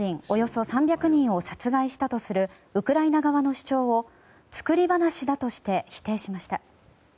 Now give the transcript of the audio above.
およそ３００人を殺害したとするウクライナ側の主張を作り話だとして否定しました。